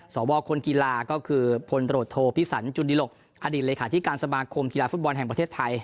สวคนกีฬาก็คือพลตรวจโทพิสันจุนดิหลกอดีตเลขาธิการสมาคมกีฬาฟุตบอลแห่งประเทศไทย